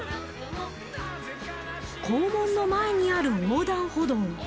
校門の前にある横断歩道。